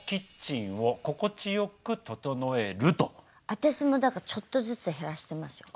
私もだからちょっとずつ減らしてますよ。